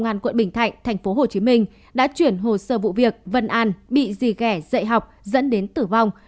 công an quận bình thạnh tp hcm đã chuyển hồ sơ vụ việc vân an bị dì ghẻ học dẫn đến tử vong